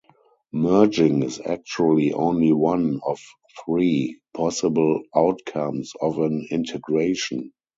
Merging is actually only one of three possible outcomes of an integration.